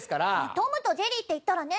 『トムとジェリー』っていったらね。